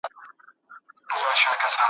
داسي ډېر کسان پردي غمونه ژاړي `